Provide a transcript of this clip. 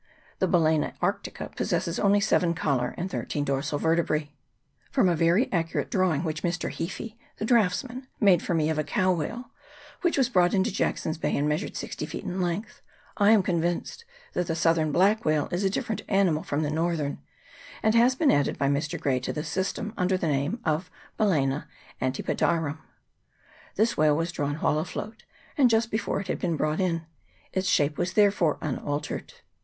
The Balaena Arctica possesses only seven collar and thirteen dorsal vertebrae. From a very 44 WHALES AND WHALERS. [PART I. accurate drawing which Mr. Heaphy, the draughts man, made for me of a cow whale, which was brought into Jackson's Bay, and measured sixty feet in length, I am convinced that the southern black whale is a different animal from the northern, and has been added by Mr. Gray to the system under the name of Balsena antipodarum. This whale was drawn while afloat, and just after it had been brought in ; its shape was therefore unaltered.